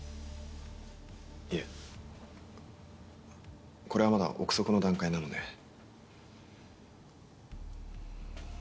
いえこれはまだ臆測の段階なので。